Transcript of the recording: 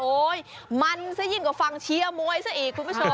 มันซะยิ่งกว่าฟังเชียร์มวยซะอีกคุณผู้ชม